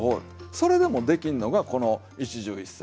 それでもできんのがこの一汁一菜。